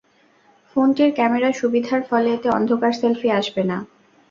ফোনটির ক্যামেরা সুবিধার ফলে এতে অন্ধকার সেলফি আসবে না।